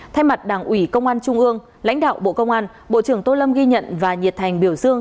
thay mặt đảng ủy công an trung ương lãnh đạo bộ công an bộ trưởng tô lâm ghi nhận và nhiệt thành biểu dương